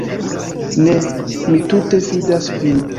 Ne, mi tute fidas vin.